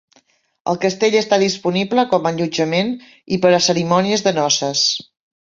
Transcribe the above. El castell està disponible com a allotjament i per a cerimònies de noces.